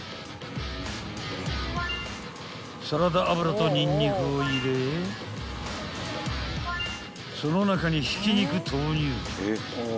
［サラダ油とニンニクを入れその中にひき肉投入］